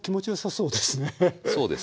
そうですね。